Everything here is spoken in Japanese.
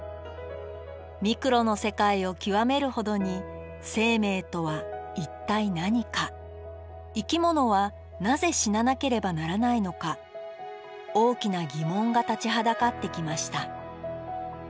ミクロの世界を究めるほどに生命とは一体何か生き物はなぜ死ななければならないのか大きな疑問が立ちはだかってきました。